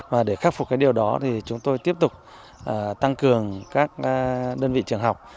và để khắc phục cái điều đó thì chúng tôi tiếp tục tăng cường các đơn vị trường học